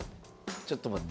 ちょっと待って。